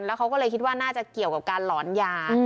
แล้วเขาก็เลยคิดว่าน่าจะเกี่ยวกับการหลอนยา